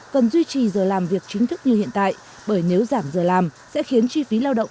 cần duy trì giờ làm việc chính thức như hiện tại bởi nếu giảm giờ làm sẽ khiến chi phí lao động